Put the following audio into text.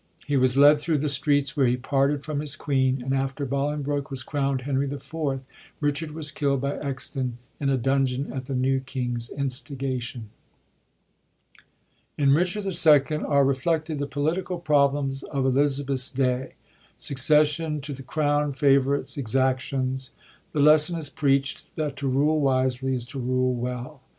He was led thru the streets, where he parted from his queen, and after Bolingbroke was crownd Henry IV., Richard was killd by Exton in a dungeon at the new king's instigation. In Richard II. are reflected the political problems of Elizabeth's day— succession to the crown, favorites, exactions. The lesson is preacht, that to rule wisely is to rule well.